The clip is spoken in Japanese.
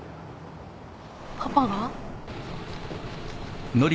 パパが？